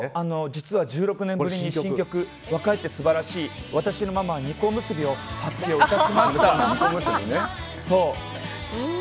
実は１６年ぶりに新曲「若いってすばらしい／私のママは２個結び」を発表致しました。